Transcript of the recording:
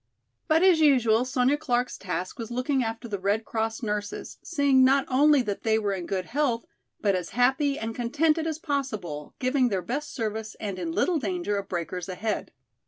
But as usual Sonya Clark's task was looking after the Red Cross nurses, seeing not only that they were in good health, but as happy and contented as possible, giving their best service and in little danger of breakers ahead.